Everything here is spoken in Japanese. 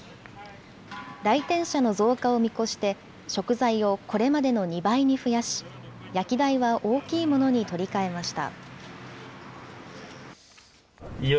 来店者の増加を見越して、食材をこれまでの２倍に増やし、焼き台は大きいものに取り替えました。